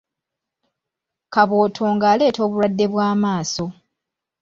Kabootongo aleeta obulwadde bw'amaaso.